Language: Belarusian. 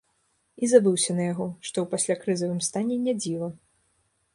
І забыўся на яго, што ў паслякрызавым стане не дзіва.